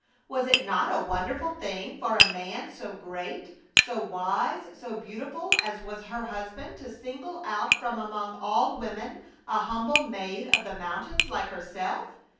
Was it not a wonderful thing for a man so great, so wise, so beautiful as was her husband, to single out from among all women a humble maid of the mountains like herself?